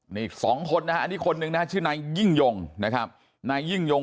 นี่สองคนอันนี้คนนึงนะชื่อนายยิ่งยงนะครับนายยิ่งยง